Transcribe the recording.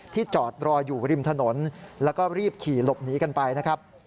จอดรออยู่ริมถนนแล้วก็รีบขี่หลบหนีกันไปนะครับ